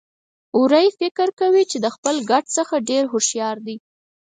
وری فکر کوي چې د خپل ګډ څخه ډېر هوښيار دی.